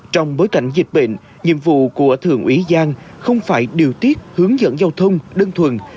trong bối cảnh dịch bệnh nhiệm vụ của thượng úy giang không phải điều tiết hướng dẫn giao thông đơn thuần